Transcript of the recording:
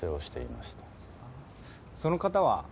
その方は？